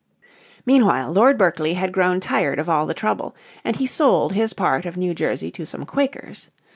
Meanwhile Lord Berkeley had grown tired of all the trouble, and he sold his part of New Jersey to some Quakers.